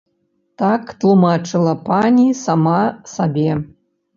Так тлумачыла пані сама сабе.